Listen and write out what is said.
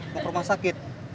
ke rumah sakit